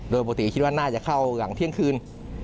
โดยปกติคิดว่าน่าจะเข้าหลังเที่ยงคืน